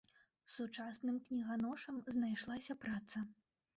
Сучасным кніганошам знайшлася праца.